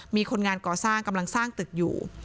มีคนงานก่อสร้างกำลังสร้างตึกอยู่